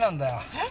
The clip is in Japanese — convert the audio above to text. えっ！